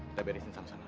kita beresin sama sama